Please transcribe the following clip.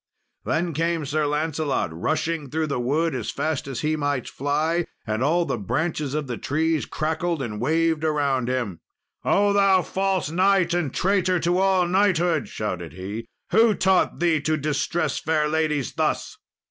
Then came Sir Lancelot rushing through the wood as fast as he might fly, and all the branches of the trees crackled and waved around him. "O thou false knight and traitor to all knighthood!" shouted he, "who taught thee to distress fair ladies thus?"